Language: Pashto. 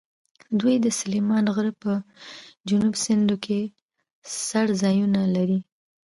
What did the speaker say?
دوی د سلیمان غره په جنوبي څنډو کې څړځایونه لري.